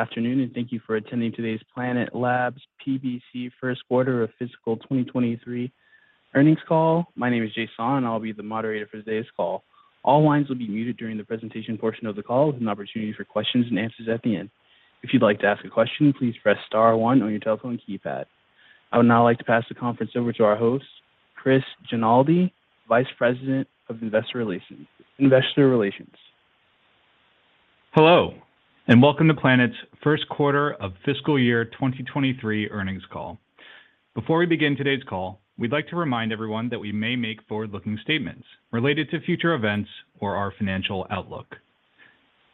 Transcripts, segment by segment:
Afternoon, and thank you for attending today's Planet Labs PBC first quarter of fiscal 2023 earnings call. My name is Jason, and I'll be the Moderator for today's call. All lines will be muted during the presentation portion of the call with an opportunity for questions and answers at the end. If you'd like to ask a question, please press star one on your telephone keypad. I would now like to pass the conference over to our host, Chris Genualdi, Vice President of Investor Relations. Hello, and welcome to Planet's first quarter of fiscal year 2023 earnings call. Before we begin today's call, we'd like to remind everyone that we may make forward-looking statements related to future events or our financial outlook.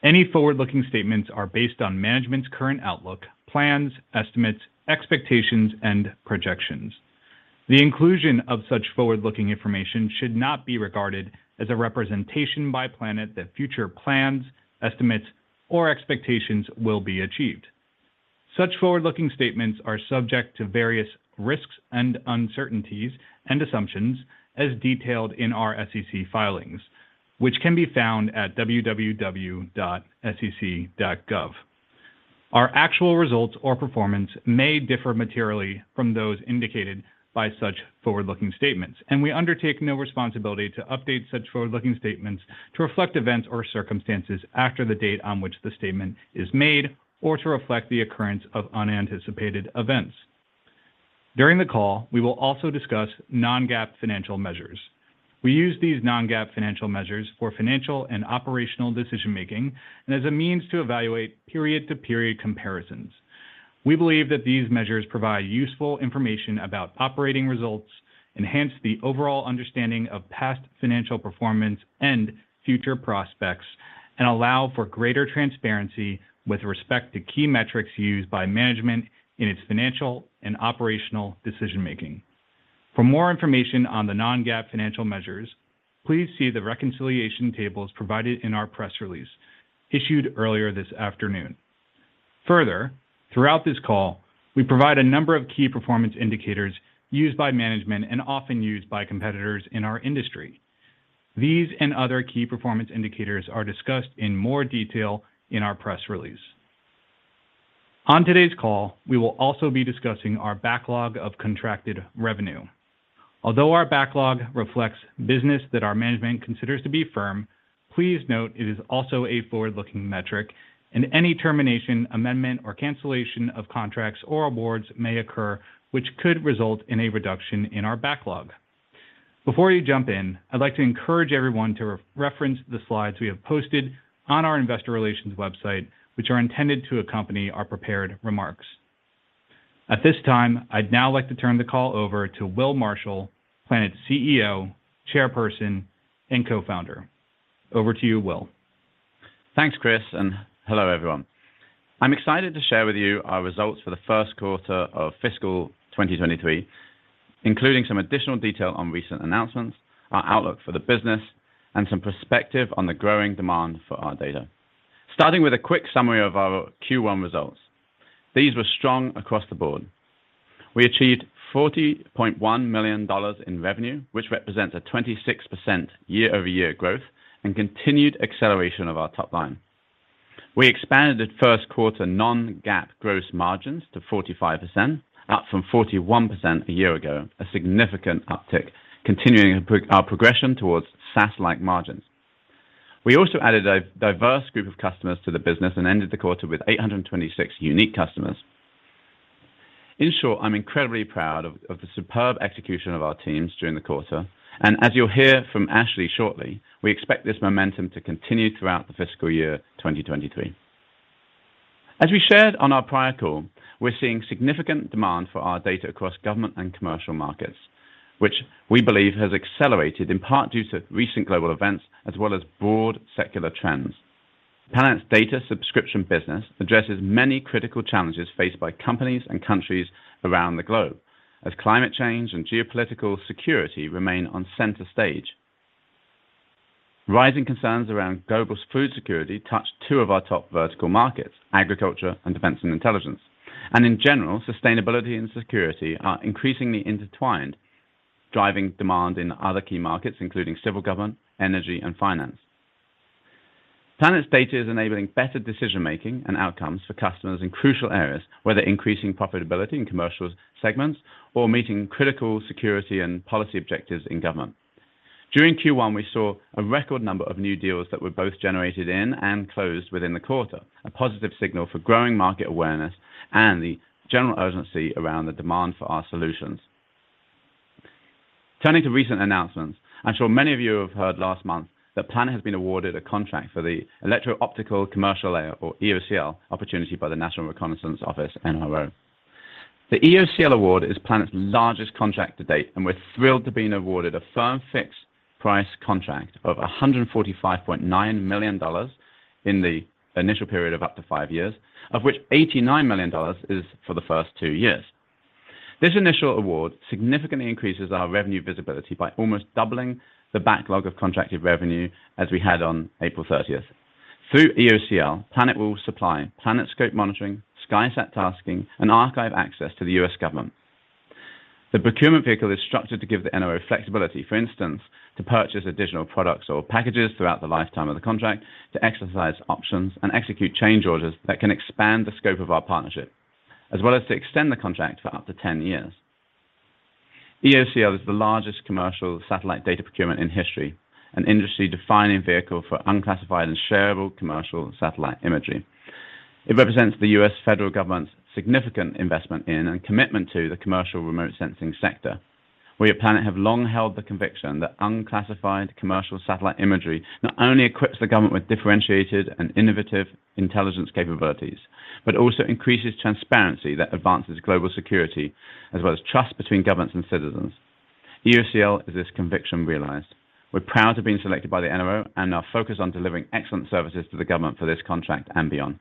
Any forward-looking statements are based on management's current outlook, plans, estimates, expectations, and projections. The inclusion of such forward-looking information should not be regarded as a representation by Planet that future plans, estimates, or expectations will be achieved. Such forward-looking statements are subject to various risks and uncertainties and assumptions as detailed in our SEC filings, which can be found at www.sec.gov. Our actual results or performance may differ materially from those indicated by such forward-looking statements, and we undertake no responsibility to update such forward-looking statements to reflect events or circumstances after the date on which the statement is made or to reflect the occurrence of unanticipated events. During the call, we will also discuss non-GAAP financial measures. We use these non-GAAP financial measures for financial and operational decision-making and as a means to evaluate period-to-period comparisons. We believe that these measures provide useful information about operating results, enhance the overall understanding of past financial performance and future prospects, and allow for greater transparency with respect to key metrics used by management in its financial and operational decision-making. For more information on the non-GAAP financial measures, please see the reconciliation tables provided in our press release issued earlier this afternoon. Further, throughout this call, we provide a number of key performance indicators used by management and often used by competitors in our industry. These and other key performance indicators are discussed in more detail in our press release. On today's call, we will also be discussing our backlog of contracted revenue. Although our backlog reflects business that our management considers to be firm, please note it is also a forward-looking metric, and any termination, amendment, or cancellation of contracts or awards may occur which could result in a reduction in our backlog. Before you jump in, I'd like to encourage everyone to re-reference the slides we have posted on our investor relations website, which are intended to accompany our prepared remarks. At this time, I'd now like to turn the call over to Will Marshall, Planet's CEO, Chairperson, and Co-Founder. Over to you, Will. Thanks, Chris, and hello, everyone. I'm excited to share with you our results for the first quarter of fiscal 2023, including some additional detail on recent announcements, our outlook for the business, and some perspective on the growing demand for our data. Starting with a quick summary of our Q1 results. These were strong across the board. We achieved $40.1 million in revenue, which represents a 26% year-over-year growth and continued acceleration of our top line. We expanded first quarter non-GAAP gross margins to 45%, up from 41% a year ago, a significant uptick, continuing our progression towards SaaS-like margins. We also added a diverse group of customers to the business and ended the quarter with 826 unique customers. In short, I'm incredibly proud of the superb execution of our teams during the quarter. As you'll hear from Ashley shortly, we expect this momentum to continue throughout the fiscal year 2023. As we shared on our prior call, we're seeing significant demand for our data across government and commercial markets, which we believe has accelerated in part due to recent global events as well as broad secular trends. Planet's data subscription business addresses many critical challenges faced by companies and countries around the globe as climate change and geopolitical security remain on center stage. Rising concerns around global food security touch two of our top vertical markets, agriculture and defense and intelligence. In general, sustainability and security are increasingly intertwined, driving demand in other key markets, including civil government, energy, and finance. Planet's data is enabling better decision-making and outcomes for customers in crucial areas, whether increasing profitability in commercial segments or meeting critical security and policy objectives in government. During Q1, we saw a record number of new deals that were both generated in and closed within the quarter, a positive signal for growing market awareness and the general urgency around the demand for our solutions. Turning to recent announcements. I'm sure many of you have heard last month that Planet has been awarded a contract for the Electro-Optical Commercial Layer, or EOCL, opportunity by the National Reconnaissance Office, NRO. The EOCL award is Planet's largest contract to date, and we're thrilled to have been awarded a firm fixed price contract of $145.9 million in the initial period of up to five years, of which $89 million is for the first two years. This initial award significantly increases our revenue visibility by almost doubling the backlog of contracted revenue as we had on April 30th. Through EOCL, Planet will supply PlanetScope Monitoring, SkySat tasking, and archive access to the U.S. government. The procurement vehicle is structured to give the NRO flexibility, for instance, to purchase additional products or packages throughout the lifetime of the contract to exercise options and execute change orders that can expand the scope of our partnership, as well as to extend the contract for up to 10 years. EOCL is the largest commercial satellite data procurement in history and industry-defining vehicle for unclassified and shareable commercial satellite imagery. It represents the U.S. federal government's significant investment in and commitment to the commercial remote sensing sector. We at Planet have long held the conviction that unclassified commercial satellite imagery not only equips the government with differentiated and innovative intelligence capabilities, but also increases transparency that advances global security as well as trust between governments and citizens. EOCL is this conviction realized. We're proud to have been selected by the NRO and are focused on delivering excellent services to the government for this contract and beyond.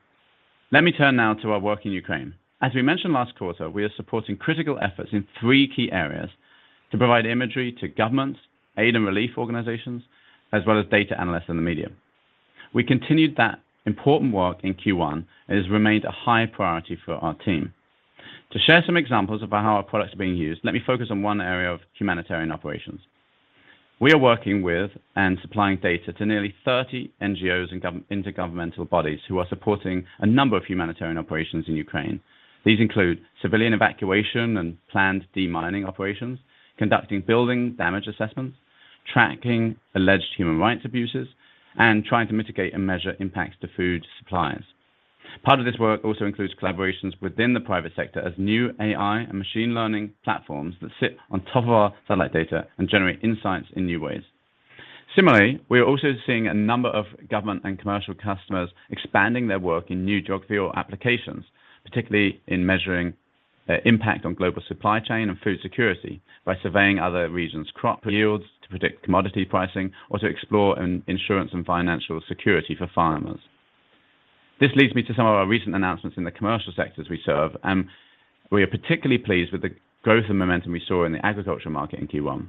Let me turn now to our work in Ukraine. As we mentioned last quarter, we are supporting critical efforts in three key areas to provide imagery to governments, aid and relief organizations, as well as data analysts in the media. We continued that important work in Q1, and it has remained a high priority for our team. To share some examples about how our products are being used, let me focus on one area of humanitarian operations. We are working with and supplying data to nearly 30 NGOs and intergovernmental bodies who are supporting a number of humanitarian operations in Ukraine. These include civilian evacuation and planned demining operations, conducting building damage assessments, tracking alleged human rights abuses, and trying to mitigate and measure impacts to food supplies. Part of this work also includes collaborations within the private sector as new AI and machine learning platforms that sit on top of our satellite data and generate insights in new ways. Similarly, we are also seeing a number of government and commercial customers expanding their work in new geography or applications, particularly in measuring, impact on global supply chain and food security by surveying other regions' crop yields to predict commodity pricing or to explore insurance and financial security for farmers. This leads me to some of our recent announcements in the commercial sectors we serve, and we are particularly pleased with the growth and momentum we saw in the agriculture market in Q1.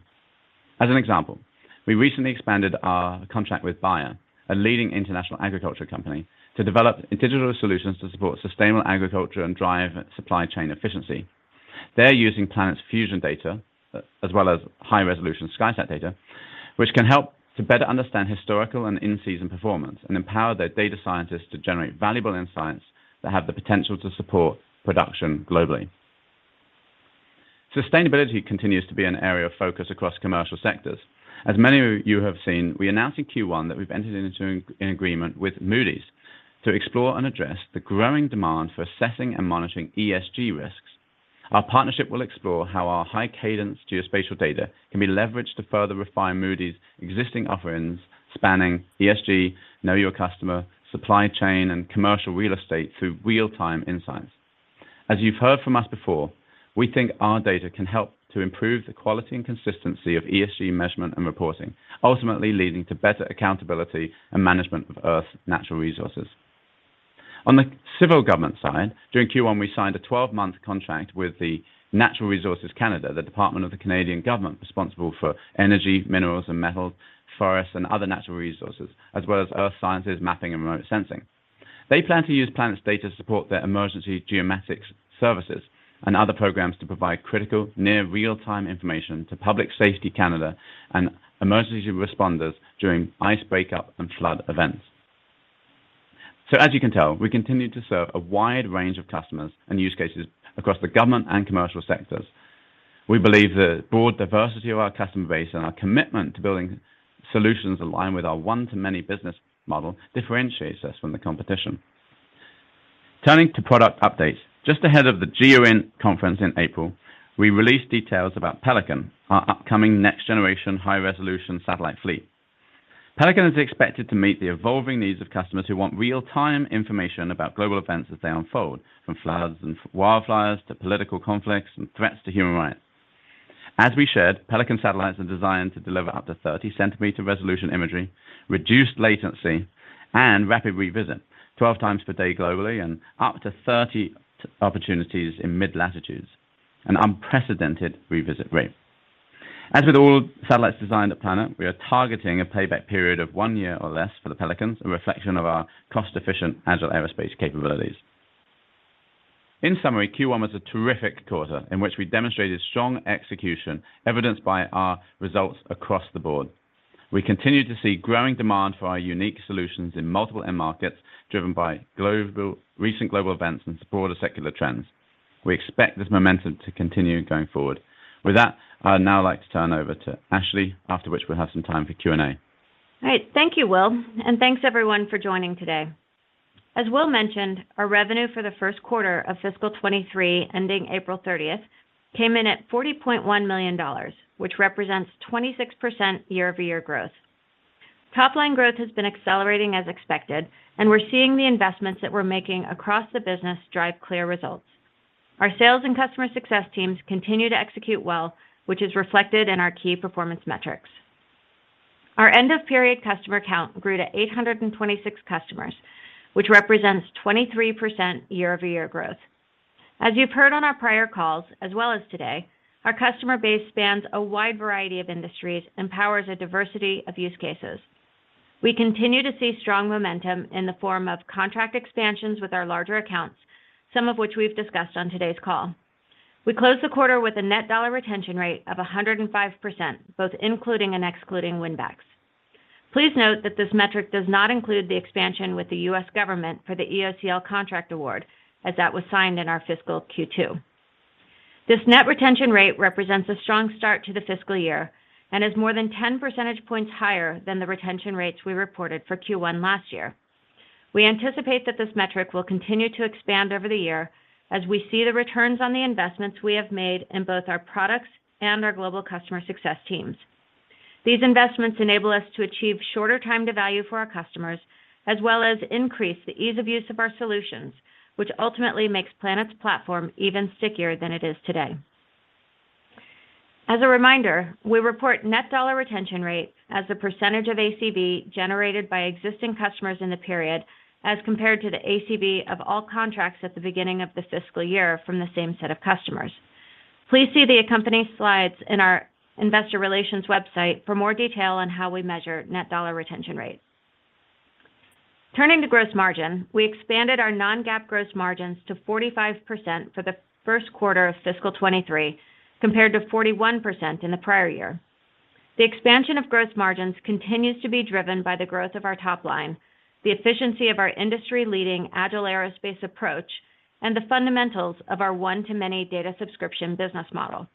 As an example, we recently expanded our contract with Bayer, a leading international agriculture company, to develop digital solutions to support sustainable agriculture and drive supply chain efficiency. They're using Planet's Fusion data as well as high-resolution SkySat data, which can help to better understand historical and in-season performance and empower their data scientists to generate valuable insights that have the potential to support production globally. Sustainability continues to be an area of focus across commercial sectors. As many of you have seen, we announced in Q1 that we've entered into an agreement with Moody's to explore and address the growing demand for assessing and monitoring ESG risks. Our partnership will explore how our high cadence geospatial data can be leveraged to further refine Moody's existing offerings, spanning ESG, Know Your Customer, supply chain, and commercial real estate through real-time insights. As you've heard from us before, we think our data can help to improve the quality and consistency of ESG measurement and reporting, ultimately leading to better accountability and management of Earth's natural resources. On the civil government side, during Q1 we signed a 12-month contract with Natural Resources Canada, the department of the Canadian government responsible for energy, minerals and metals, forests, and other natural resources, as well as earth sciences, mapping, and remote sensing. They plan to use Planet's data to support their emergency geomatics services and other programs to provide critical near real-time information to Public Safety Canada and emergency responders during ice breakup and flood events. As you can tell, we continue to serve a wide range of customers and use cases across the government and commercial sectors. We believe the broad diversity of our customer base and our commitment to building solutions aligned with our one-to-many business model differentiates us from the competition. Turning to product updates. Just ahead of the GEOINT conference in April, we released details about Pelican, our upcoming next-generation high-resolution satellite fleet. Pelican is expected to meet the evolving needs of customers who want real-time information about global events as they unfold, from floods and wildfires to political conflicts and threats to human rights. As we shared, Pelican satellites are designed to deliver up to 30 cm resolution imagery, reduced latency, and Rapid Revisit, 12x per day globally and up to 30 opportunities in mid-latitudes, an unprecedented revisit rate. As with all satellites designed at Planet, we are targeting a payback period of one year or less for the Pelicans, a reflection of our cost-efficient Agile Aerospace capabilities. In summary, Q1 was a terrific quarter in which we demonstrated strong execution evidenced by our results across the board. We continue to see growing demand for our unique solutions in multiple end markets driven by recent global events and broader secular trends. We expect this momentum to continue going forward. With that, I'd now like to turn over to Ashley, after which we'll have some time for Q&A. All right. Thank you, Will, and thanks everyone for joining today. As Will mentioned, our revenue for the first quarter of fiscal 2023 ending April 30th came in at $40.1 million, which represents 26% year-over-year growth. Top line growth has been accelerating as expected, and we're seeing the investments that we're making across the business drive clear results. Our sales and customer success teams continue to execute well, which is reflected in our key performance metrics. Our end-of-period customer count grew to 826 customers, which represents 23% year-over-year growth. As you've heard on our prior calls, as well as today, our customer base spans a wide variety of industries and powers a diversity of use cases. We continue to see strong momentum in the form of contract expansions with our larger accounts, some of which we've discussed on today's call. We closed the quarter with a Net Dollar Retention Rate of 105%, both including and excluding win backs. Please note that this metric does not include the expansion with the U.S. government for the EOCL contract award, as that was signed in our fiscal Q2. This net retention rate represents a strong start to the fiscal year and is more than 10 percentage points higher than the retention rates we reported for Q1 last year. We anticipate that this metric will continue to expand over the year as we see the returns on the investments we have made in both our products and our global customer success teams. These investments enable us to achieve shorter time to value for our customers, as well as increase the ease of use of our solutions, which ultimately makes Planet's platform even stickier than it is today. As a reminder, we report Net Dollar Retention Rate as the percentage of ACV generated by existing customers in the period as compared to the ACV of all contracts at the beginning of the fiscal year from the same set of customers. Please see the accompanying slides in our investor relations website for more detail on how we measure Net Dollar Retention Rate. Turning to gross margin, we expanded our non-GAAP gross margins to 45% for the first quarter of fiscal 2023, compared to 41% in the prior year. The expansion of gross margins continues to be driven by the growth of our top line, the efficiency of our industry-leading Agile Aerospace approach, and the fundamentals of our one-to-many data subscription business model.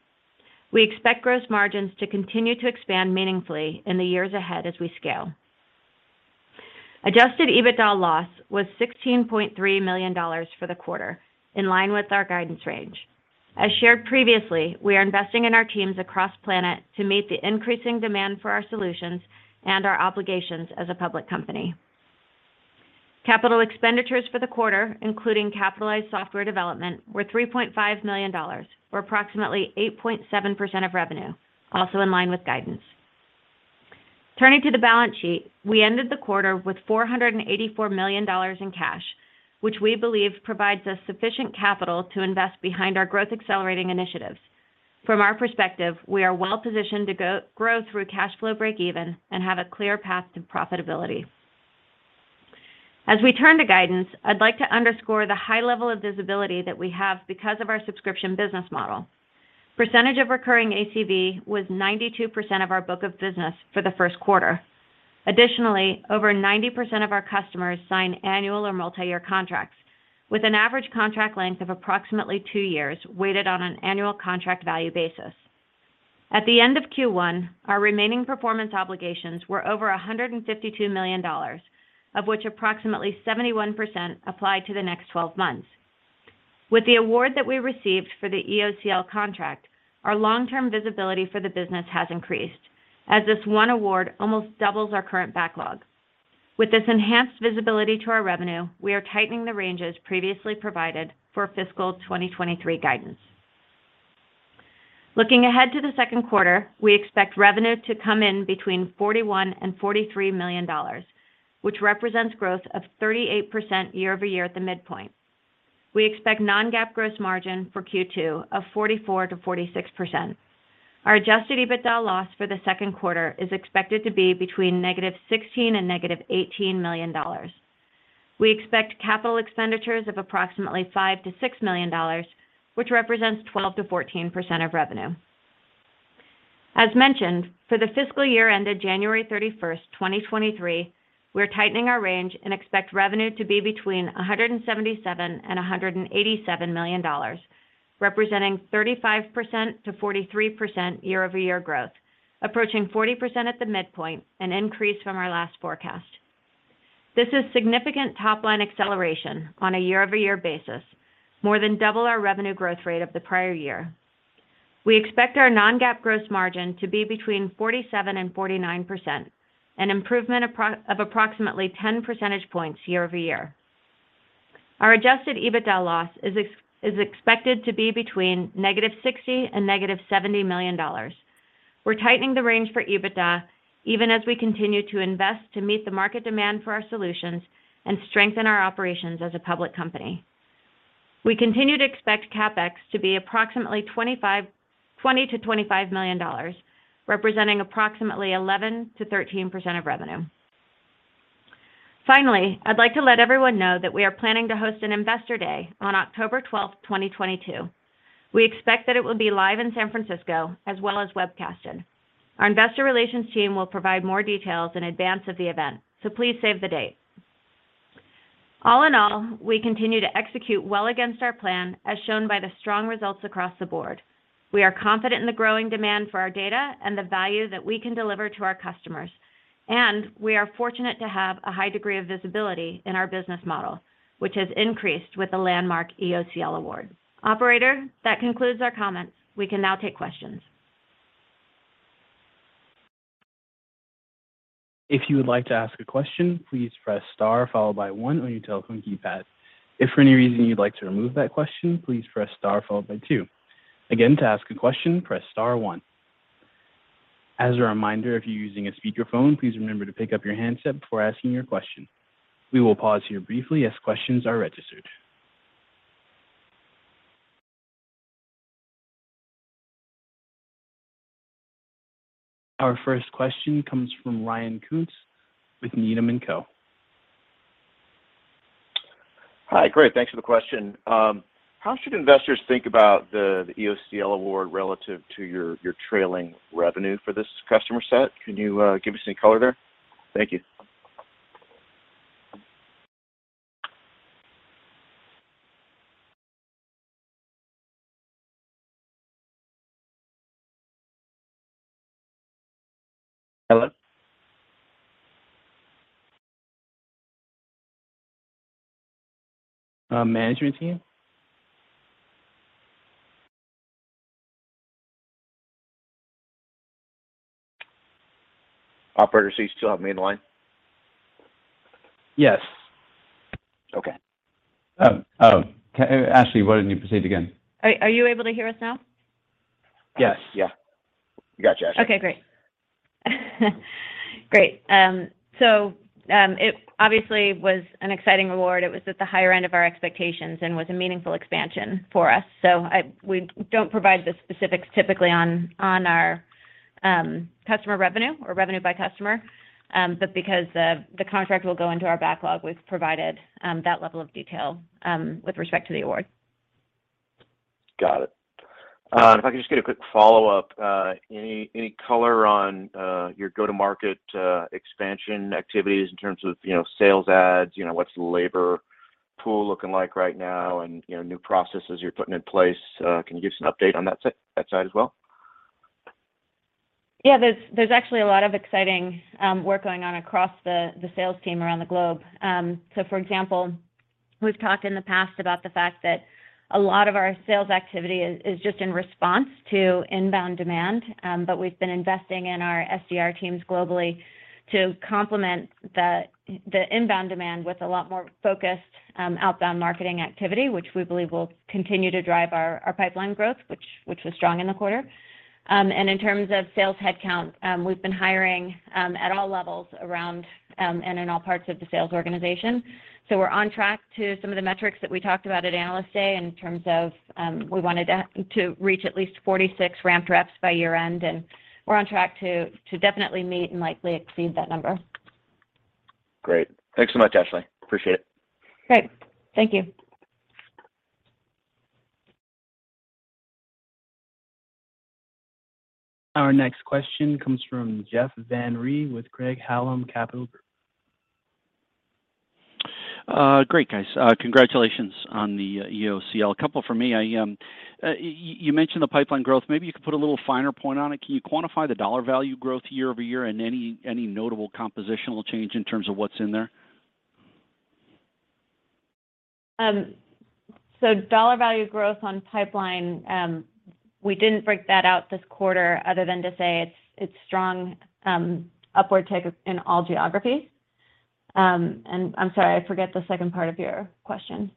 We expect gross margins to continue to expand meaningfully in the years ahead as we scale. Adjusted EBITDA loss was $16.3 million for the quarter, in line with our guidance range. As shared previously, we are investing in our teams across Planet to meet the increasing demand for our solutions and our obligations as a public company. Capital expenditures for the quarter, including capitalized software development, were $3.5 million, or approximately 8.7% of revenue, also in line with guidance. Turning to the balance sheet, we ended the quarter with $484 million in cash, which we believe provides us sufficient capital to invest behind our growth accelerating initiatives. From our perspective, we are well positioned to grow through cash flow breakeven and have a clear path to profitability. As we turn to guidance, I'd like to underscore the high level of visibility that we have because of our subscription business model. Percentage of recurring ACV was 92% of our book of business for the first quarter. Additionally, over 90% of our customers sign annual or multi-year contracts with an average contract length of approximately 2 years, weighted on an annual contract value basis. At the end of Q1, our remaining performance obligations were over $152 million, of which approximately 71% applied to the next 12 months. With the award that we received for the EOCL contract, our long-term visibility for the business has increased as this one award almost doubles our current backlog. With this enhanced visibility to our revenue, we are tightening the ranges previously provided for fiscal 2023 guidance. Looking ahead to the second quarter, we expect revenue to come in between $41 million and $43 million, which represents growth of 38% year-over-year at the midpoint. We expect non-GAAP gross margin for Q2 of 44%-46%. Our adjusted EBITDA loss for the second quarter is expected to be between -$16 million and -$18 million. We expect capital expenditures of approximately $5 million-$6 million, which represents 12%-14% of revenue. As mentioned, for the fiscal year ended January 31st, 2023, we're tightening our range and expect revenue to be between $177 million and $187 million, representing 35%-43% year-over-year growth, approaching 40% at the midpoint, an increase from our last forecast. This is significant top-line acceleration on a year-over-year basis, more than double our revenue growth rate of the prior year. We expect our non-GAAP gross margin to be between 47%-49%, an improvement of approximately 10 percentage points year-over-year. Our adjusted EBITDA loss is expected to be between -$60 million and -$70 million. We're tightening the range for EBITDA even as we continue to invest to meet the market demand for our solutions and strengthen our operations as a public company. We continue to expect CapEx to be approximately $20 million-$25 million, representing approximately 11%-13% of revenue. Finally, I'd like to let everyone know that we are planning to host an Investor Day on October 12th, 2022. We expect that it will be live in San Francisco as well as webcasted. Our Investor Relations team will provide more details in advance of the event, so please save the date. All in all, we continue to execute well against our plan, as shown by the strong results across the board. We are confident in the growing demand for our data and the value that we can deliver to our customers, and we are fortunate to have a high degree of visibility in our business model, which has increased with the landmark EOCL award. Operator, that concludes our comments. We can now take questions. If you would like to ask a question, please press star followed by one on your telephone keypad. If for any reason you'd like to remove that question, please press star followed by two. Again, to ask a question, press star one. As a reminder, if you're using a speakerphone, please remember to pick up your handset before asking your question. We will pause here briefly as questions are registered. Our first question comes from Ryan Koontz with Needham & Co. Hi. Great, thanks for the question. How should investors think about the EOCL award relative to your trailing revenue for this customer set? Can you give us any color there? Thank you. Hello? Management team? Operator, can you still have me on the line? Yes. Okay. Ashley, why don't you proceed again? Are you able to hear us now? Yes. Yeah. We got you, Ashley. Okay, great. Great. It obviously was an exciting award. It was at the higher end of our expectations and was a meaningful expansion for us. We don't provide the specifics typically on our customer revenue or revenue by customer, but because the contract will go into our backlog, we've provided that level of detail with respect to the award. Got it. If I could just get a quick follow-up. Any color on your go-to-market expansion activities in terms of, you know, sales adds, you know, what's the labor pool looking like right now and, you know, new processes you're putting in place? Can you give us an update on that side as well? Yeah. There's actually a lot of exciting work going on across the Sales team around the globe. For example, we've talked in the past about the fact that a lot of our sales activity is just in response to inbound demand. But we've been investing in our SDR teams globally to complement the inbound demand with a lot more focused outbound marketing activity, which we believe will continue to drive our pipeline growth, which was strong in the quarter. In terms of sales headcount, we've been hiring at all levels around and in all parts of the sales organization. We're on track to some of the metrics that we talked about at Analyst Day in terms of, we wanted to reach at least 46 ramped reps by year-end, and we're on track to definitely meet and likely exceed that number. Great. Thanks so much, Ashley. Appreciate it. Great. Thank you. Our next question comes from Jeff Van Rhee with Craig-Hallum Capital. Great, guys. Congratulations on the EOCL. A couple from me. You mentioned the pipeline growth. Maybe you could put a little finer point on it. Can you quantify the dollar value growth year-over-year and any notable compositional change in terms of what's in there? Dollar value growth on pipeline, we didn't break that out this quarter other than to say it's strong, upward tick in all geographies. I'm sorry, I forget the second part of your question.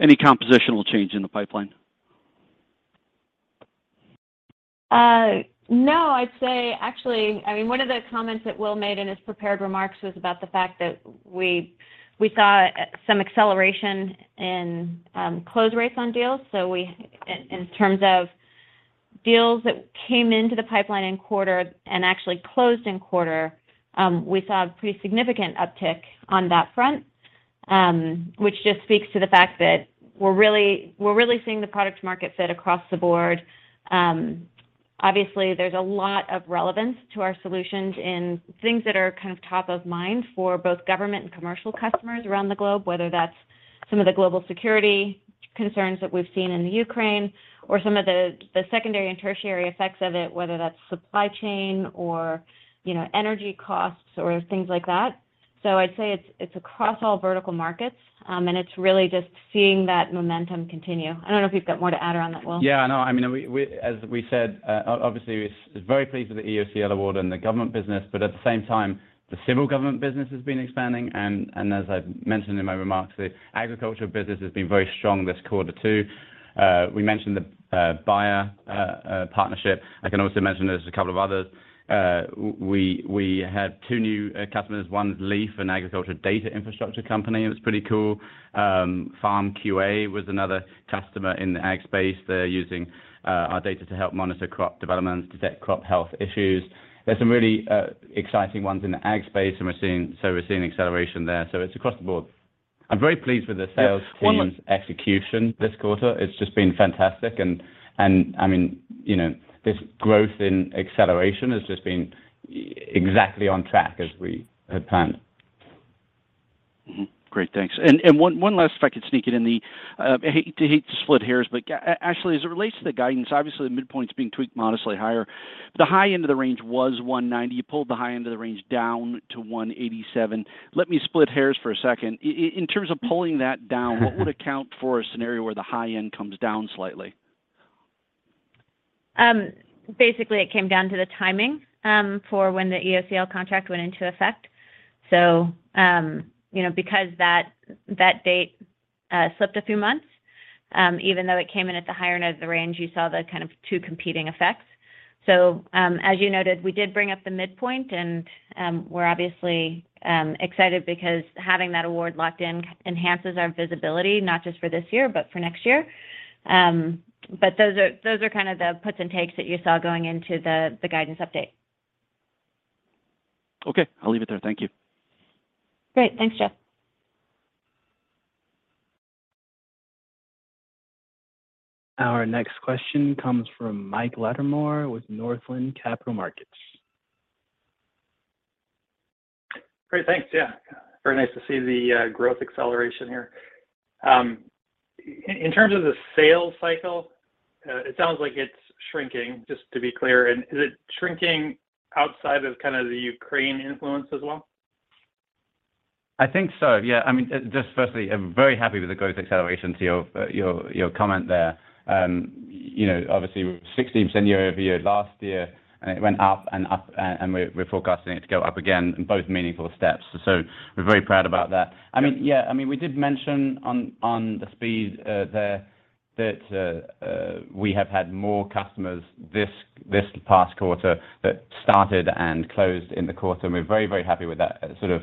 Any compositional change in the pipeline? No. I'd say actually, I mean, one of the comments that Will made in his prepared remarks was about the fact that we saw some acceleration in close rates on deals. In terms of deals that came into the pipeline in quarter and actually closed in quarter, we saw a pretty significant uptick on that front, which just speaks to the fact that we're really seeing the product market fit across the board. Obviously, there's a lot of relevance to our solutions in things that are kind of top of mind for both government and commercial customers around the globe, whether that's some of the global security concerns that we've seen in the Ukraine or some of the secondary and tertiary effects of it, whether that's supply chain or, you know, energy costs or things like that. I'd say it's across all vertical markets, and it's really just seeing that momentum continue. I don't know if you've got more to add around that, Will. Yeah. No. I mean, we as we said, obviously we're very pleased with the EOCL award and the government business, but at the same time, the civil government business has been expanding, and as I mentioned in my remarks, the agriculture business has been very strong this quarter too. We mentioned the Bayer partnership. I can also mention there's a couple of others. We have two new customers. One is Leaf, an agriculture data infrastructure company. It was pretty cool. FarmQA was another customer in the ag space. They're using our data to help monitor crop development, detect crop health issues. There's some really exciting ones in the ag space, and so we're seeing acceleration there. It's across the board. I'm very pleased with the sales team's execution this quarter. It's just been fantastic and I mean, you know, this growth in acceleration has just been exactly on track as we had planned. Mmm-hmm. Great. Thanks. One last, if I could sneak it in. I hate to split hairs, but Ashley, as it relates to the guidance, obviously the midpoint's being tweaked modestly higher. The high end of the range was $190. You pulled the high end of the range down to $187. Let me split hairs for a second. In terms of pulling that down, what would account for a scenario where the high end comes down slightly? Basically it came down to the timing, for when the EOCL contract went into effect. You know, because that date slipped a few months, even though it came in at the higher end of the range, you saw the kind of two competing effects. As you noted, we did bring up the midpoint, and we're obviously excited because having that award locked in enhances our visibility, not just for this year, but for next year. But those are kind of the puts and takes that you saw going into the guidance update. Okay. I'll leave it there. Thank you. Great. Thanks, Jeff. Our next question comes from Michael Latimore with Northland Capital Markets. Great. Thanks. Yeah. Very nice to see the growth acceleration here. In terms of the sales cycle, it sounds like it's shrinking, just to be clear. Is it shrinking outside of kind of the Ukraine influence as well? I think so. Yeah. I mean, just firstly, I'm very happy with the growth acceleration to your comment there. You know, obviously we're 16% year-over-year last year, and it went up and up, and we're forecasting it to go up again in both meaningful steps. We're very proud about that. I mean, yeah. I mean, we did mention on the speed there that we have had more customers this past quarter that started and closed in the quarter. We're very happy with that sort of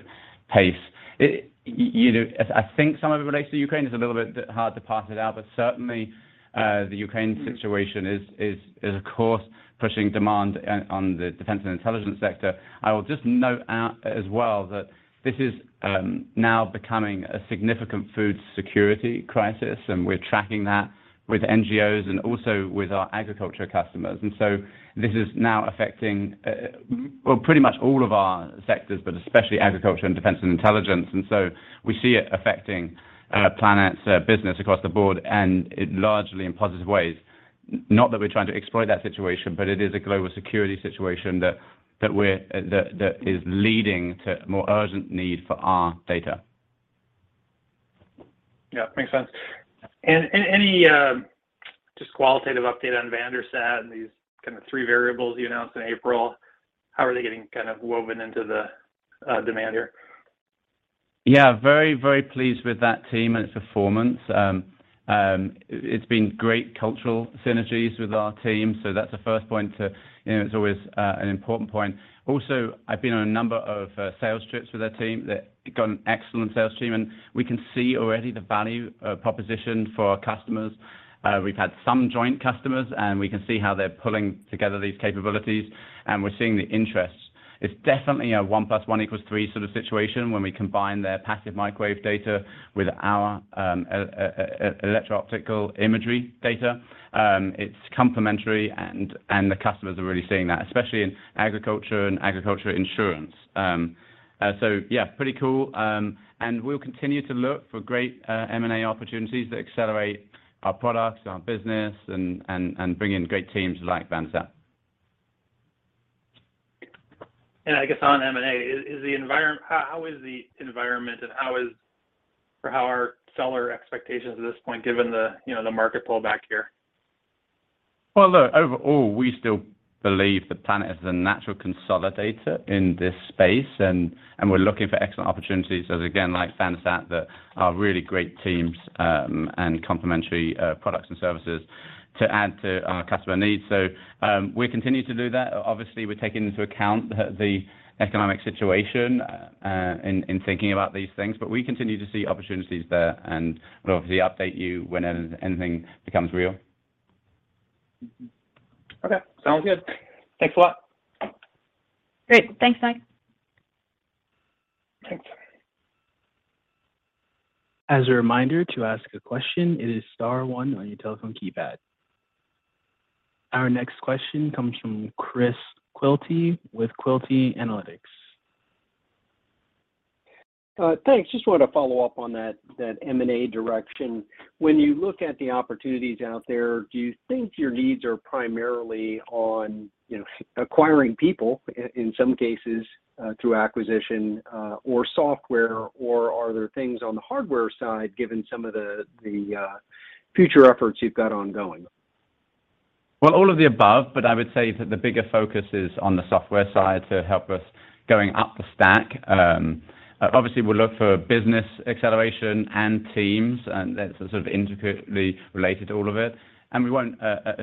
pace. You know, I think some of it relates to Ukraine. It's a little bit hard to parse it out, but certainly the Ukraine situation is of course pushing demand on the defense and intelligence sector. I will just note out as well that this is now becoming a significant food security crisis, and we're tracking that with NGOs and also with our agriculture customers. This is now affecting well, pretty much all of our sectors, but especially agriculture and defense and intelligence. We see it affecting Planet's business across the board, and largely in positive ways. Not that we're trying to exploit that situation, but it is a global security situation that is leading to more urgent need for our data. Yeah. Makes sense. Any qualitative update on VanderSat and these kinds of Planetary Variables you announced in April, how are they getting kind of woven into the demand here? Yeah. Very, very pleased with that team and its performance. It's been great cultural synergies with our team. That's a first point to, you know, it's always an important point. Also, I've been on a number of sales trips with their team. They've got an excellent sales team, and we can see already the value proposition for our customers. We've had some joint customers, and we can see how they're pulling together these capabilities, and we're seeing the interest. It's definitely a one plus one equals three sort of situation when we combine their passive microwave data with our Electro-Optical Imagery data. It's complementary and the customers are really seeing that, especially in agriculture and agriculture insurance. Yeah, pretty cool. We'll continue to look for great M&A opportunities that accelerate our products, our business and bring in great teams like VanderSat. I guess on M&A, how is the environment and how are seller expectations at this point, given the, you know, the market pullback here? Well, look, overall, we still believe that Planet is the natural consolidator in this space and we're looking for excellent opportunities as, again, like VanderSat, that are really great teams, and complementary products and services to add to our customer needs. We're continuing to do that. Obviously, we're taking into account the economic situation in thinking about these things, but we continue to see opportunities there and we'll obviously update you whenever anything becomes real. Okay. Sounds good. Thanks a lot. Great. Thanks, Mike. Thanks. As a reminder, to ask a question, it is star one on your telephone keypad. Our next question comes from Chris Quilty with Quilty Analytics. Thanks. Just wanted to follow up on that M&A direction. When you look at the opportunities out there, do you think your needs are primarily on, you know, acquiring people in some cases through acquisition, or software, or are there things on the hardware side given some of the future efforts you've got ongoing? Well, all of the above, but I would say that the bigger focus is on the software side to help us going up the stack. Obviously, we'll look for business acceleration and teams, and that's sort of intricately related to all of it. We won't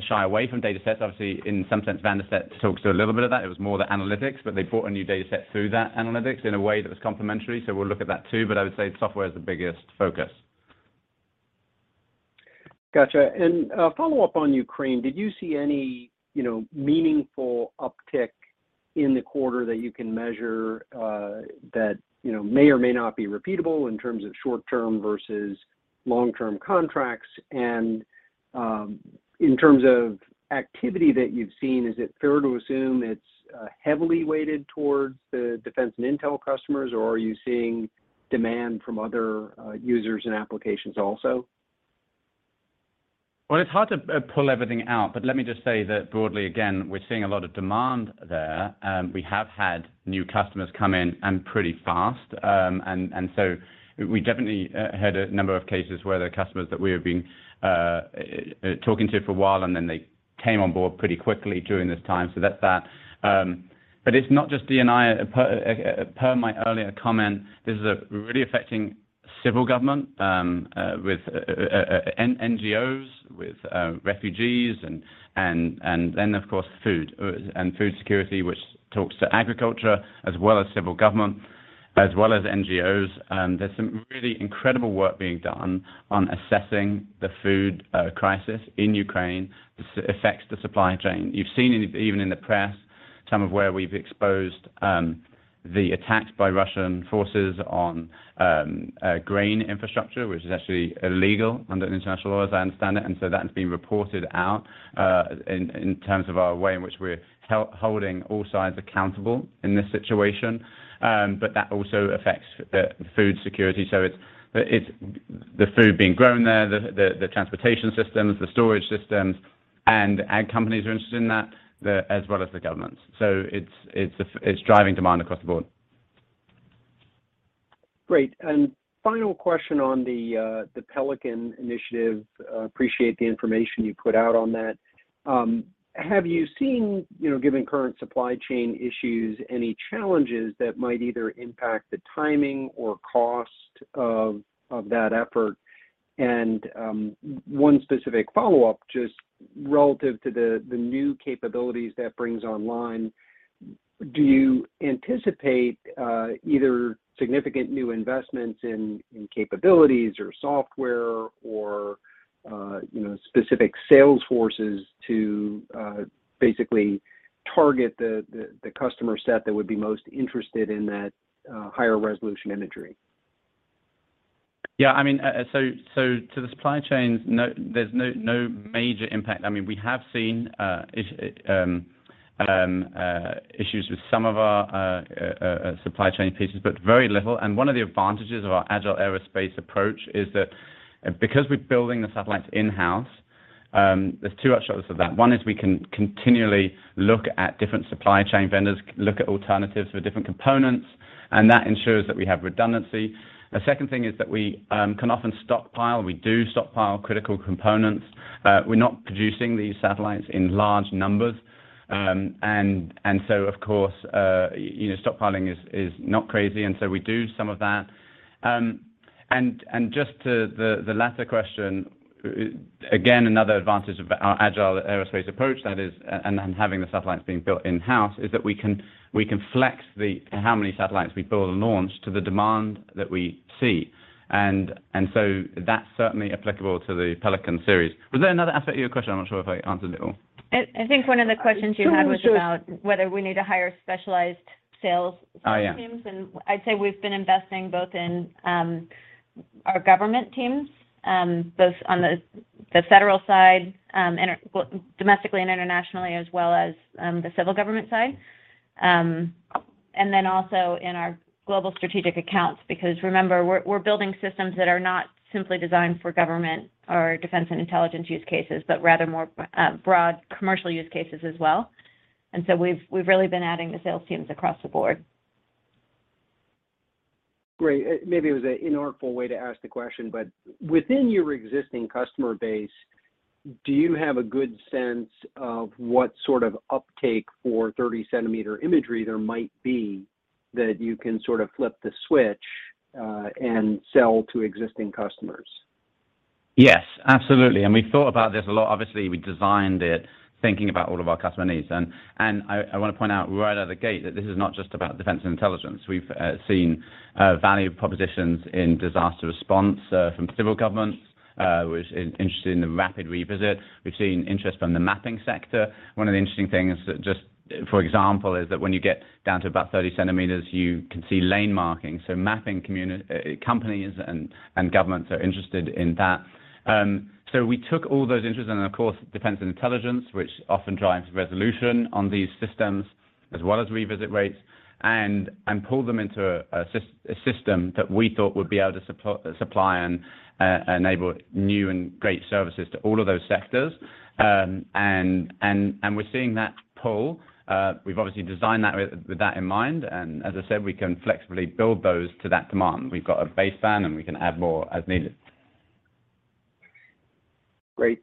shy away from datasets. Obviously, in some sense, VanderSat talks to a little bit of that. It was more the analytics, but they brought a new dataset through that analytics in a way that was complementary. We'll look at that too, but I would say software is the biggest focus. Gotcha. Follow up on Ukraine, did you see any, you know, meaningful uptick in the quarter that you can measure, that, you know, may or may not be repeatable in terms of short term versus long term contracts? In terms of activity that you've seen, is it fair to assume it's heavily weighted towards the defense and intel customers, or are you seeing demand from other users and applications also? Well, it's hard to pull everything out, but let me just say that broadly, again, we're seeing a lot of demand there. We have had new customers come in and pretty fast. We definitely had a number of cases where the customers that we have been talking to for a while, and then they came on board pretty quickly during this time. That's that. It's not just D&I. Per my earlier comment, this is really affecting civil government with NGOs, with refugees and then of course, food and food security, which talks to agriculture as well as civil government as well as NGOs. There's some really incredible work being done on assessing the food crisis in Ukraine. This affects the supply chain. You've seen it even in the press, some of where we've exposed, the attacks by Russian forces on grain infrastructure, which is actually illegal under international law as I understand it. That's being reported out, in terms of our way in which we're holding all sides accountable in this situation. That also affects the food security. It's the food being grown there, the transportation systems, the storage systems and ag companies are interested in that, as well as the governments. It's driving demand across the board. Great. Final question on the Pelican Initiative. Appreciate the information you put out on that. Have you seen, you know, given current supply chain issues, any challenges that might either impact the timing or cost of that effort? One specific follow-up, just relative to the new capabilities that brings online, do you anticipate either significant new investments in capabilities or software or, you know, specific sales forces to basically target the customer set that would be most interested in that higher resolution imagery? Yeah, I mean, so to the supply chains, no, there's no major impact. I mean, we have seen issues with some of our supply chain pieces, but very little. One of the advantages of our Agile Aerospace approach is that because we're building the satellites in-house, there's two upsides to that. One is we can continually look at different supply chain vendors, look at alternatives for different components, and that ensures that we have redundancy. The second thing is that we can often stockpile. We do stockpile critical components. We're not producing these satellites in large numbers. So of course, you know, stockpiling is not crazy. We do some of that. Just to the latter question, again, another advantage of our Agile Aerospace approach, that is, and having the satellites being built in-house, is that we can flex how many satellites we build and launch to the demand that we see. That's certainly applicable to the Pelican series. Was there another aspect to your question? I'm not sure if I answered it all. I think one of the questions you had was about whether we need to hire specialized sales. Oh, yeah.... teams. I'd say we've been investing both in our government teams, both on the federal side, domestically and internationally as well as the civil government side. Also in our global strategic accounts, because remember, we're building systems that are not simply designed for government or defense and intelligence use cases, but rather more broad commercial use cases as well. We've really been adding the sales teams across the board. Great. Maybe it was an inartful way to ask the question, but within your existing customer base, do you have a good sense of what sort of uptake for 30 cm imagery there might be that you can sort of flip the switch and sell to existing customers? Yes, absolutely. We thought about this a lot. Obviously, we designed it thinking about all of our customer needs. I wanna point out right out of the gate that this is not just about defense and intelligence. We've seen value propositions in disaster response from civil governments who are interested in the Rapid Revisit. We've seen interest from the mapping sector. One of the interesting things that just for example is that when you get down to about 30 cm, you can see lane markings. Mapping companies and governments are interested in that. We took all those interests and of course, defense and intelligence, which often drives resolution on these systems as well as revisit rates and pulled them into a system that we thought would be able to supply and enable new and great services to all of those sectors. We're seeing that pull. We've obviously designed that with that in mind, and as I said, we can flexibly build those to that demand. We've got a baseband, and we can add more as needed. Great.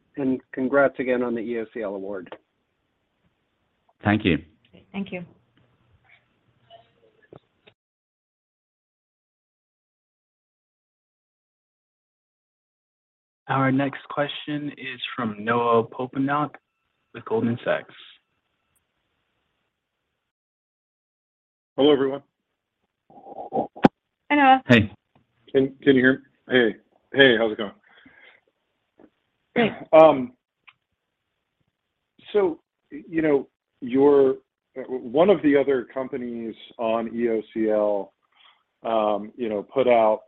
Congrats again on the EOCL award. Thank you. Thank you. Our next question is from Noah Poponak with Goldman Sachs. Hello, everyone. Hi, Noah. Hey. Can you hear me? Hey, how's it going? You know, one of the other companies on EOCL put out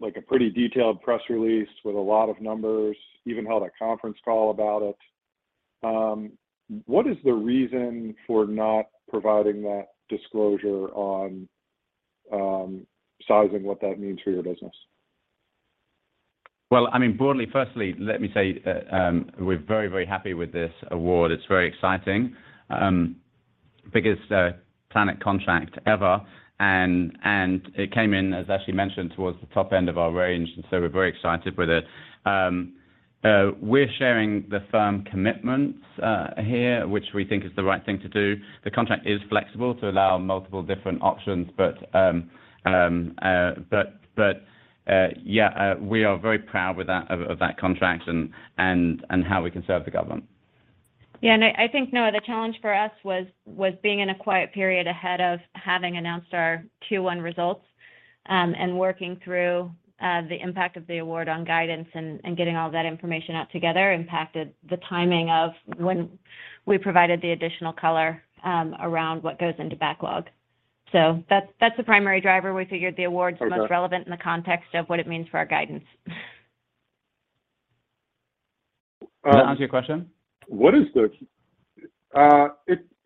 like a pretty detailed press release with a lot of numbers, even held a conference call about it. What is the reason for not providing that disclosure on sizing what that means for your business? Well, I mean, broadly, firstly, let me say, we're very, very happy with this award. It's very exciting. Biggest Planet contract ever. It came in, as Ashley mentioned, towards the top end of our range, and so we're very excited with it. We're sharing the firm commitments here, which we think is the right thing to do. The contract is flexible to allow multiple different options, but we are very proud of that contract and how we can serve the government. Yeah. I think, Noah, the challenge for us was being in a quiet period ahead of having announced our Q1 results, and working through the impact of the award on guidance and getting all that information out together impacted the timing of when we provided the additional color around what goes into backlog. So that's the primary driver. We figured the award's Okay most relevant in the context of what it means for our guidance. Does that answer your question?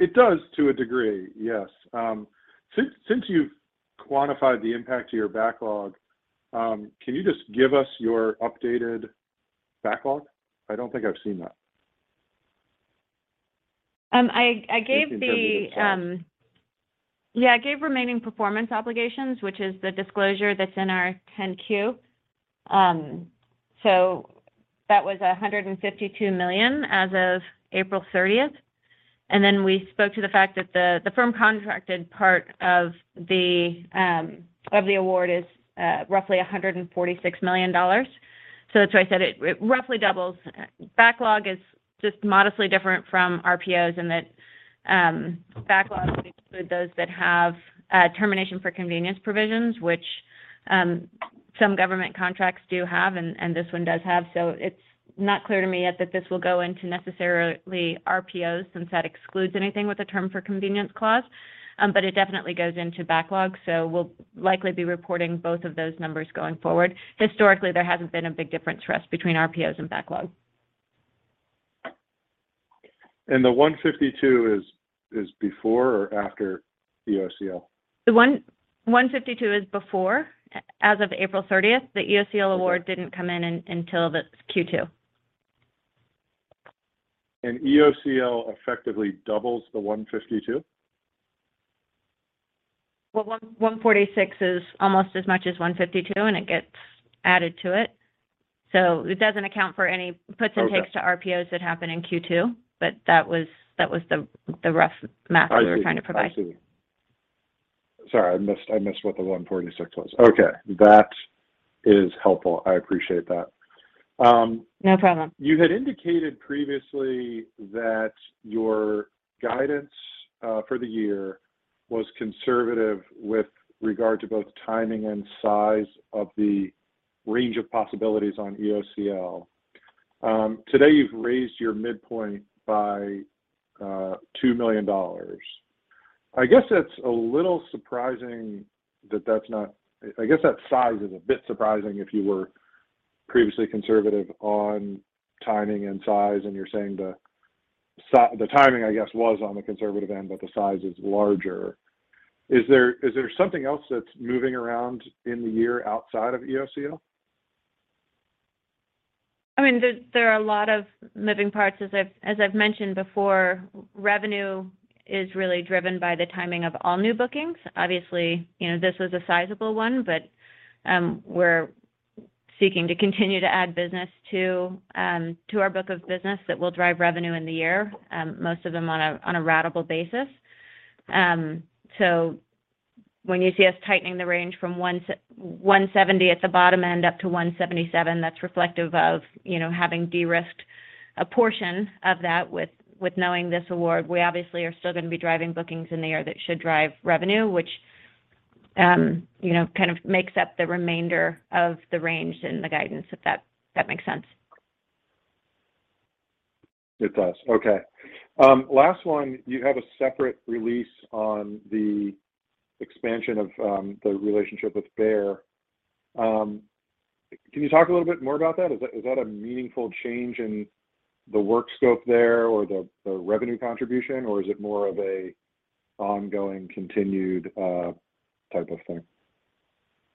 It does to a degree, yes. Since you've quantified the impact to your backlog, can you just give us your updated backlog? I don't think I've seen that. I gave the- Just in terms of the size. Yeah, I gave remaining performance obligations, which is the disclosure that's in our 10-Q. That was $152 million as of April 30th. We spoke to the fact that the firm contracted part of the award is roughly $146 million. That's why I said it roughly doubles. Backlog is just modestly different from RPOs in that backlog would include those that have termination for convenience provisions, which some government contracts do have and this one does have. It's not clear to me yet that this will go into necessarily RPOs since that excludes anything with a termination for convenience clause. It definitely goes into backlog. We'll likely be reporting both of those numbers going forward. Historically, there hasn't been a big difference for us between RPOs and backlog. The $152 million is before or after EOCL? The $152 million is before as of April 30th. Okay. The EOCL award didn't come in until the Q2. EOCL effectively doubles the 152? Well, 146 is almost as much as 152, and it gets added to it. It doesn't account for any puts and takes. Okay to RPOs that happen in Q2, but that was the rough math. I see. We were trying to provide. Sorry, I missed what the 146 was. Okay. That is helpful. I appreciate that. No problem. You had indicated previously that your guidance for the year was conservative with regard to both timing and size of the range of possibilities on EOCL. Today you've raised your midpoint by $2 million. I guess that's a little surprising. I guess that size is a bit surprising if you were previously conservative on timing and size, and you're saying the timing, I guess, was on the conservative end, but the size is larger. Is there something else that's moving around in the year outside of EOCL? I mean, there are a lot of moving parts. As I've mentioned before, revenue is really driven by the timing of all new bookings. Obviously, you know, this was a sizable one, but we're seeking to continue to add business to our book of business that will drive revenue in the year, most of them on a ratable basis. When you see us tightening the range from $170 at the bottom end up to $177, that's reflective of, you know, having de-risked a portion of that with knowing this award. We obviously are still gonna be driving bookings in the year that should drive revenue, which, you know, kind of makes up the remainder of the range and the guidance, if that makes sense. It does. Okay. Last one. You have a separate release on the expansion of the relationship with Bayer. Can you talk a little bit more about that? Is that a meaningful change in the work scope there or the revenue contribution, or is it more of a ongoing continued type of thing?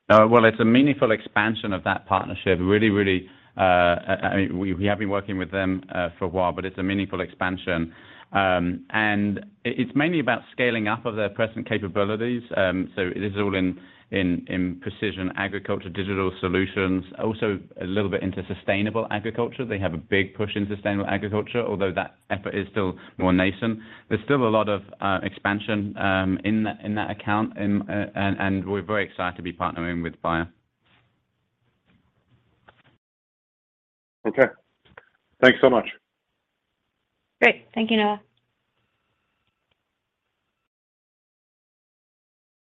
Well, it's a meaningful expansion of that partnership, really. I mean, we have been working with them for a while, but it's a meaningful expansion. It's mainly about scaling up of their present capabilities. This is all in precision agriculture, digital solutions, also a little bit into sustainable agriculture. They have a big push in sustainable agriculture, although that effort is still more nascent. There's still a lot of expansion in that account and we're very excited to be partnering with Bayer. Okay. Thanks so much. Great. Thank you, Noah.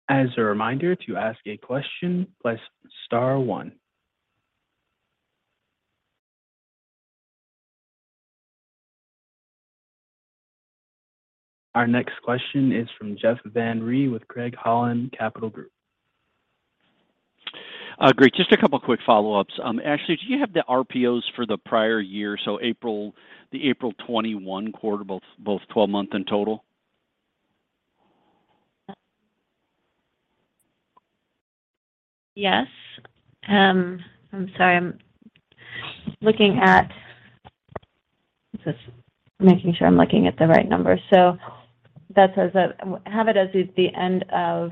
As a reminder, to ask a question, press star one. Our next question is from Jeff Van Rhee with Craig-Hallum Capital Group. Great. Just a couple quick follow-ups. Ashley, do you have the RPOs for the prior year, so April, the April 2021 quarter, both 12-month and total? Yes. I'm sorry, just making sure I'm looking at the right number. That says that we have it as of the end of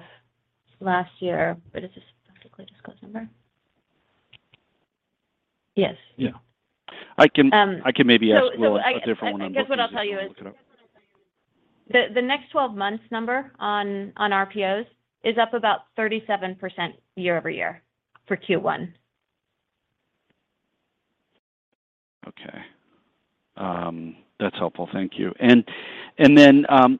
last year. Is this publicly disclosed number? Yes. Yeah. I can maybe ask Will a different one on bookings. Let me look it up. I guess what I'll tell you is the next 12 months number on RPOs is up about 37% year-over-year for Q1. Okay. That's helpful. Thank you.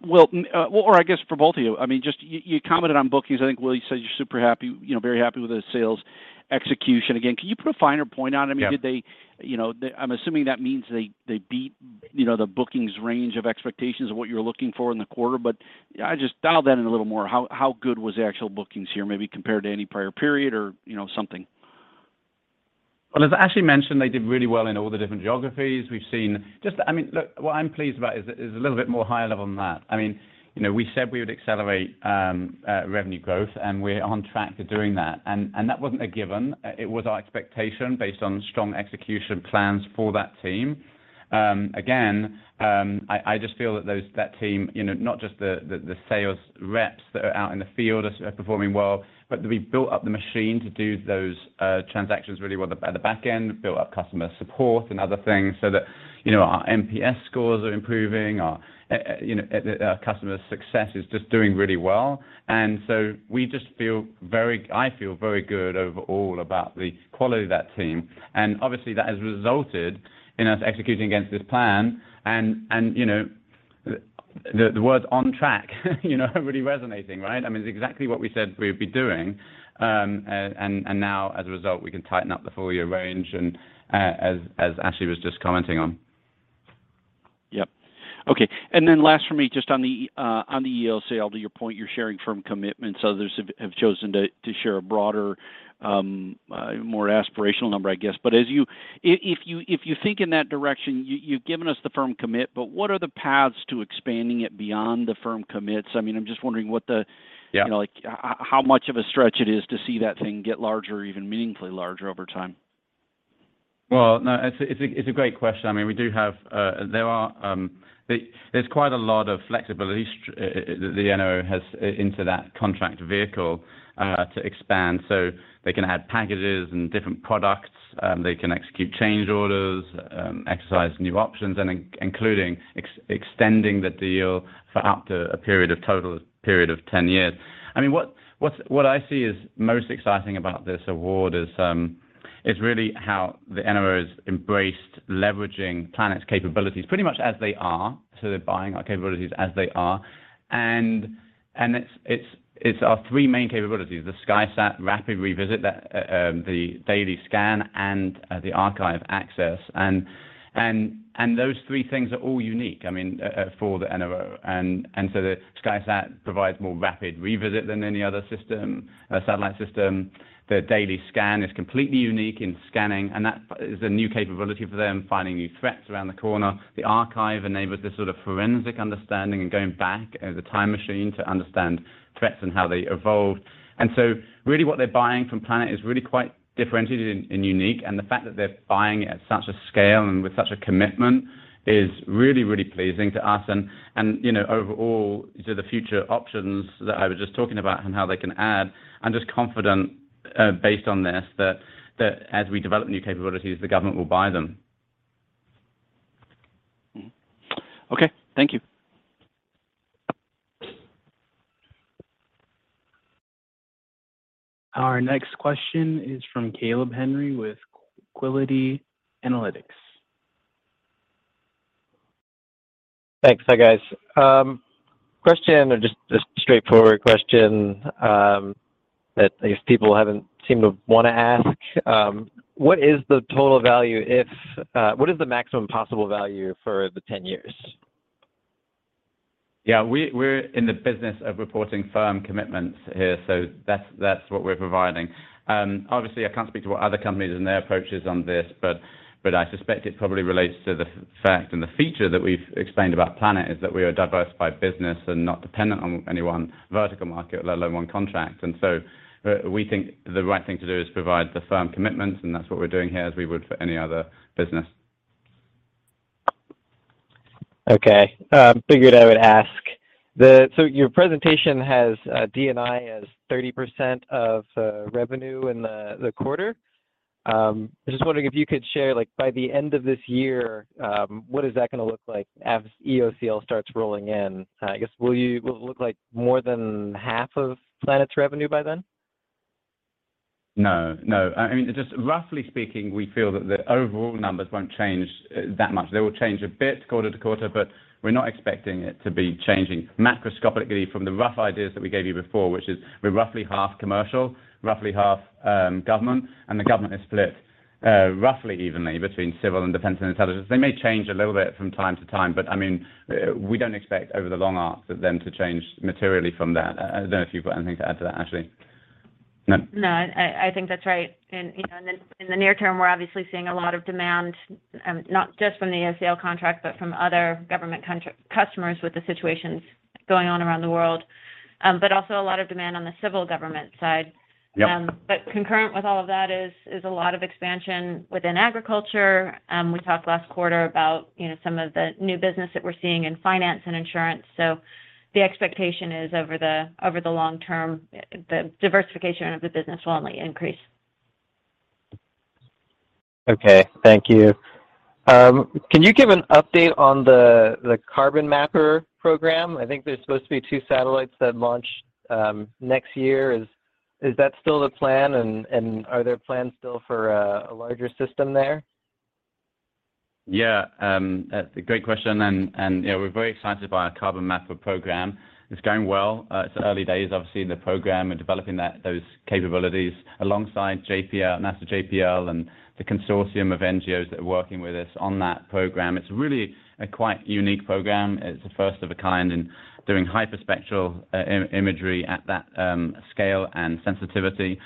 Will, or I guess for both of you, I mean, just you commented on bookings. I think Will, you said you're super happy, you know, very happy with the sales execution. Again, can you put a finer point on it? Yeah. I mean, did they, you know? I'm assuming that means they beat, you know, the bookings range of expectations of what you're looking for in the quarter. I just dial that in a little more. How good was the actual bookings here, maybe compared to any prior period or, you know, something? Well, as Ashley mentioned, they did really well in all the different geographies. We've seen just I mean, look, what I'm pleased about is a little bit more high level than that. I mean, you know, we said we would accelerate revenue growth, and we're on track to doing that. That wasn't a given. It was our expectation based on strong execution plans for that team. Again, I just feel that that team, you know, not just the sales reps that are out in the field are performing well, but we built up the machine to do those transactions really well at the back end, built up customer support and other things so that, you know, our NPS scores are improving, our, you know, our customer success is just doing really well. I feel very good overall about the quality of that team. Obviously that has resulted in us executing against this plan and you know the word on track you know really resonating, right? I mean, it's exactly what we said we would be doing. Now as a result, we can tighten up the full year range, and as Ashley was just commenting on. Yep. Okay. Last for me, just on the EOCL, to your point, you're sharing firm commitments. Others have chosen to share a broader, more aspirational number, I guess. If you think in that direction, you've given us the firm commit, but what are the paths to expanding it beyond the firm commits? I mean, I'm just wondering what the Yeah. You know, like how much of a stretch it is to see that thing get larger or even meaningfully larger over time. Well, no, it's a great question. I mean, there is quite a lot of flexibility. The NRO has built into that contract vehicle to expand. So, they can add packages and different products. They can execute change orders, exercise new options, and including extending the deal for up to a total period of 10 years. I mean, what I see is most exciting about this award is really how the NRO has embraced leveraging Planet's capabilities pretty much as they are. So, they're buying our capabilities as they are. It's our three main capabilities, the SkySat Rapid Revisit, the daily scan and the archive access. Those three things are all unique, I mean, for the NRO. The SkySat provides more Rapid Revisit than any other system, satellite system. The daily scan is completely unique in scanning, and that is a new capability for them, finding new threats around the corner. The archive enables this sort of forensic understanding and going back as a time machine to understand threats and how they evolve. Really what they're buying from Planet is really quite differentiated and unique. The fact that they're buying at such a scale and with such a commitment is really pleasing to us. You know, overall to the future options that I was just talking about and how they can add, I'm just confident, based on this, that as we develop new capabilities, the government will buy them. Okay. Thank you. Our next question is from Caleb Henry with Quilty Analytics. Thanks. Hi, guys. Question or just a straightforward question that these people haven't seemed to wanna ask. What is the total value if what is the maximum possible value for the 10 years? Yeah. We're in the business of reporting firm commitments here, so that's what we're providing. Obviously, I can't speak to what other companies and their approach is on this, but I suspect it probably relates to the fact and the feature that we've explained about Planet, is that we are diversified business and not dependent on any one vertical market, let alone one contract. We think the right thing to do is provide the firm commitments, and that's what we're doing here as we would for any other business. Okay. Figured I would ask. Your presentation has D&I as 30% of revenue in the quarter. I'm just wondering if you could share, like, by the end of this year, what is that gonna look like as EOCL starts rolling in? I guess, will it look like more than half of Planet's revenue by then? No, no. I mean, just roughly speaking, we feel that the overall numbers won't change that much. They will change a bit quarter to quarter, but we're not expecting it to be changing macroscopically from the rough ideas that we gave you before, which is we're roughly half commercial, roughly half government, and the government is split roughly evenly between civil and defense and intelligence. They may change a little bit from time to time, but I mean, we don't expect over the long arc for them to change materially from that. I don't know if you've got anything to add to that, Ashley. No? No. I think that's right. You know, in the near term, we're obviously seeing a lot of demand, not just from the EOCL contract, but from other government customers with the situations going on around the world, but also a lot of demand on the civil government side. Concurrent with all of that is a lot of expansion within agriculture. We talked last quarter about, you know, some of the new business that we're seeing in finance and insurance. The expectation is over the long term, the diversification of the business will only increase. Okay. Thank you. Can you give an update on the Carbon Mapper program? I think there's supposed to be two satellites that launch next year. Is that still the plan? Are there plans still for a larger system there? Yeah. That's a great question. You know, we're very excited about our Carbon Mapper program. It's going well. It's early days, obviously, in the program and developing those capabilities alongside JPL, NASA JPL, and the consortium of NGOs that are working with us on that program. It's really a quite unique program. It's a first of a kind in doing hyperspectral imagery at that scale and sensitivity.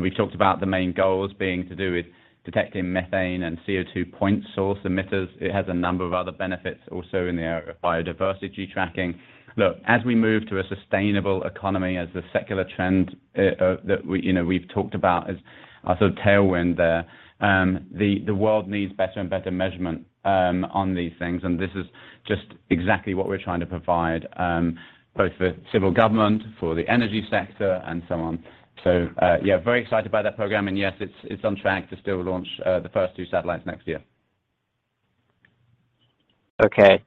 We talked about the main goals being to do with detecting methane and CO2 point source emitters. It has a number of other benefits also in the area of biodiversity tracking. Look, as we move to a sustainable economy as the secular trend that we, you know, we've talked about as our sort of tailwind there, the world needs better and better measurement on these things, and this is just exactly what we're trying to provide both for civil government, for the energy sector and so on. Yeah, very excited by that program. Yes, it's on track to still launch the first two satellites next year. Okay.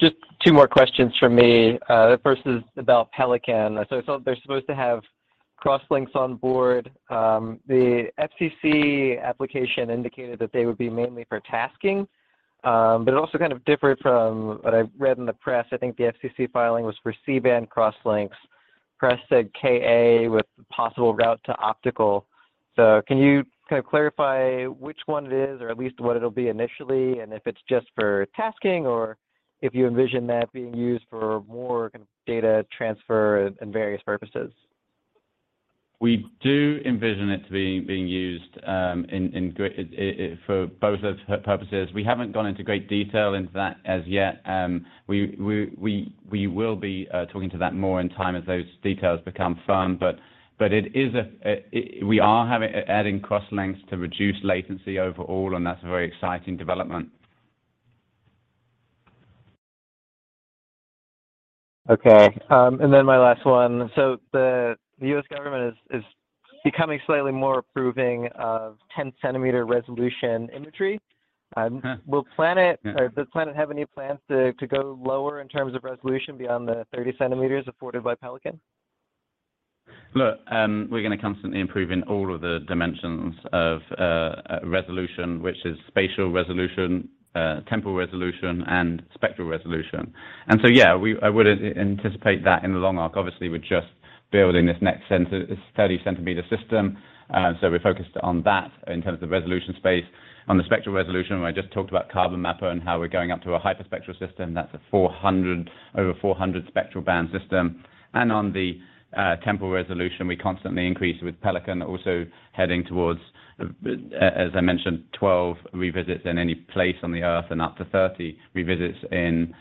Just two more questions from me. The first is about Pelican. I thought they're supposed to have crosslinks on board. The FCC application indicated that they would be mainly for tasking, but it also kind of differed from what I've read in the press. I think the FCC filing was for C-band crosslinks. Press said Ka with possible route to optical. Can you kind of clarify which one it is or at least what it'll be initially, and if it's just for tasking or if you envision that being used for more kind of data transfer and various purposes? We do envision it to be being used for both of purposes. We haven't gone into great detail into that as yet. We will be talking to that more in time as those details become firm. It is we are adding crosslinks to reduce latency overall, and that's a very exciting development. My last one. The U.S. government is becoming slightly more approving of 10 cm resolution imagery. Mm-hmm. Will Planet or does Planet have any plans to go lower in terms of resolution beyond the 30 cm afforded by Pelican? Look, we're gonna constantly improve in all of the dimensions of resolution, which is spatial resolution, temporal resolution and spectral resolution. Yeah, I would anticipate that in the long arc. Obviously, we're just building this next sensor, this 30 cm system. We're focused on that in terms of resolution space. On the spectral resolution, I just talked about Carbon Mapper and how we're going up to a hyperspectral system that's a 400, over 400 spectral band system. On the temporal resolution, we constantly increase with Pelican also heading towards, as I mentioned, 12 revisits in any place on the Earth and up to 30 revisits in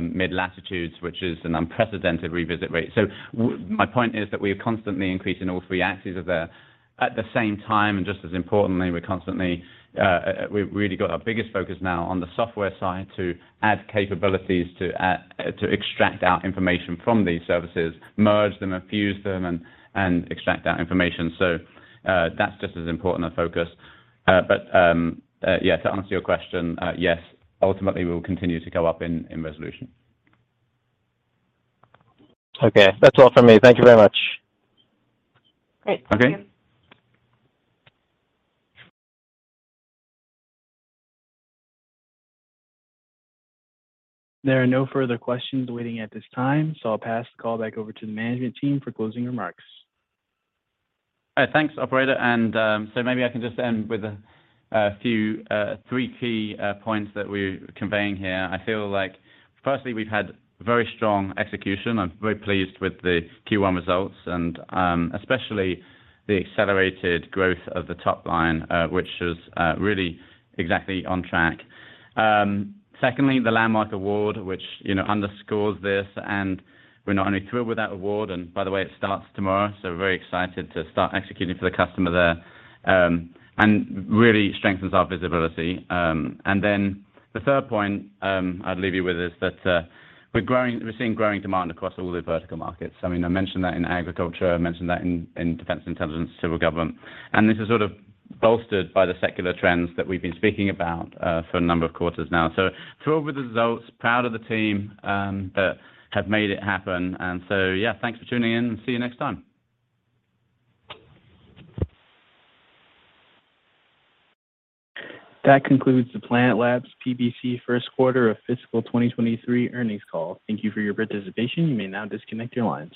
mid latitudes, which is an unprecedented revisit rate. My point is that we are constantly increasing all three axes of the-- At the same time, and just as importantly, we've really got our biggest focus now on the software side to add capabilities to extract out information from these services, merge them, fuse them, and extract that information. That's just as important a focus. Yeah, to answer your question, yes, ultimately, we'll continue to go up in resolution. Okay. That's all for me. Thank you very much. Great. Thank you. Okay. There are no further questions waiting at this time, so I'll pass the call back over to the management team for closing remarks. Thanks, Operator. So maybe I can just end with three key points that we're conveying here. I feel like, firstly, we've had very strong execution. I'm very pleased with the Q1 results and especially the accelerated growth of the top line, which is really exactly on track. Secondly, the Landmark Award, which, you know, underscores this, and we're not only thrilled with that award, and by the way, it starts tomorrow, so very excited to start executing for the customer there, and really strengthens our visibility. Then the third point I'd leave you with is that we're seeing growing demand across all the vertical markets. I mean, I mentioned that in agriculture, in defense intelligence, civil government, and this is sort of bolstered by the secular trends that we've been speaking about for a number of quarters now. Thrilled with the results, proud of the team that have made it happen. Yeah, thanks for tuning in and see you next time. That concludes the Planet Labs PBC first quarter of fiscal 2023 earnings call. Thank you for your participation. You may now disconnect your lines.